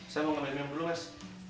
saya mau ngambil rem dulu mas